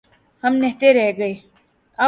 ہم نہتے رہ گئے۔